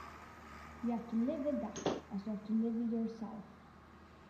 You have to live with that, as you have to live with yourself.